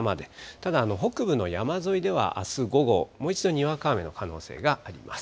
ただ、北部の山沿いではあす午後、もう一度、にわか雨の可能性があります。